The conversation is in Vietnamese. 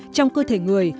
trong cơ thể người